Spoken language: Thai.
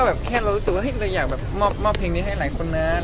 แบบแค่เรารู้สึกว่าเราอยากมอบเพลงนี้ให้หลายคนนะ